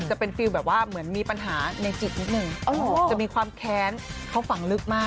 จะเป็นฟิล์มเผ่าว่าเหมือนมีปัญหาในจิตนึงจะมีความแครนเค้าฝังลึกมาก